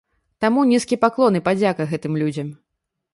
Таму нізкі паклон і падзяка гэтым людзям.